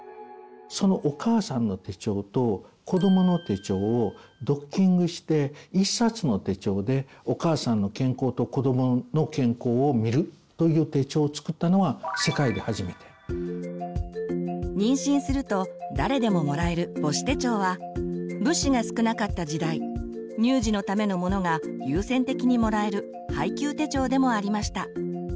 そのお母さんの手帳と子どもの手帳をドッキングして１冊の手帳でお母さんの健康と子どもの健康を見るという手帳を作ったのが世界で初めて。妊娠すると誰でももらえる母子手帳は物資が少なかった時代乳児のためのものが優先的にもらえる配給手帳でもありました。